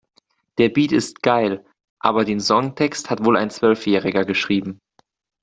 Der Beat ist geil, aber den Songtext hat wohl ein Zwölfjähriger geschrieben.